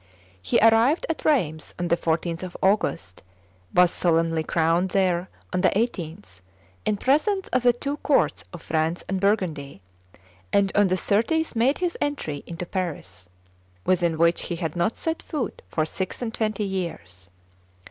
He arrived at Rheims on the 14th of August, was solemnly crowned there on the 18th, in presence of the two courts of France and Burgundy, and on the 30th made his entry into Paris, within which he had not set foot for six and twenty years.